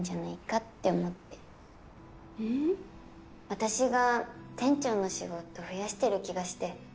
私が店長の仕事増やしてる気がして。